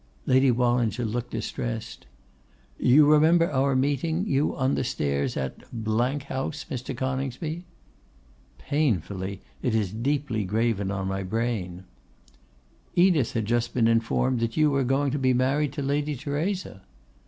Lady Wallinger looked distressed. 'You remember our meeting you on the stairs at House, Mr. Coningsby?' 'Painfully. It is deeply graven on my brain.' 'Edith had just been informed that you were going to be married to Lady Theresa.